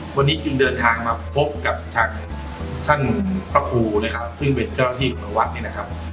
วันนี้จึงเดินทางมาพบกับทางท่านพระครูนะครับซึ่งเป็นเจ้าหน้าที่ของวัดเนี่ยนะครับ